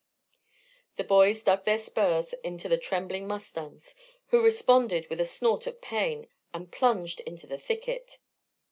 The boys dug their spurs into the trembling mustangs, who responded with a snort of pain and plunged into the thicket.